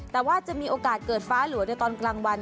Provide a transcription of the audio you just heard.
แต่ว่าจะมีโอกาสเกิดฟ้าหลัวในตอนกลางวัน